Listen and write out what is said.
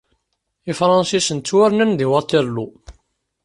Ifransisen ttwarnan di Waterloo.